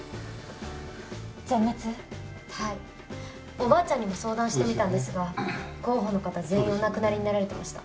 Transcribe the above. おばあちゃんにも相談してみたんですが候補の方全員お亡くなりになられてました。